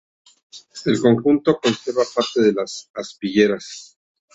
El conjunto conserva parte de las aspilleras.